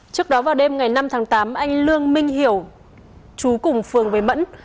trước đó vào đêm ngày năm tháng tám anh lương minh hiểu chú cùng phường về mẫn